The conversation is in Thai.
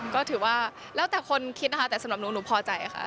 ก็ถือว่าแล้วแต่คนคิดนะคะแต่สำหรับหนูหนูพอใจค่ะ